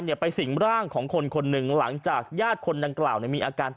เนี่ยไปสิ่งร่างของคนคนหนึ่งหลังจากญาติคนดังกล่าวมีอาการ